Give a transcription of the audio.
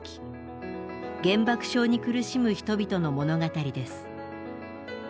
原爆症に苦しむ人々の物語です。